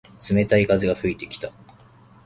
冷たい風が吹いてきた。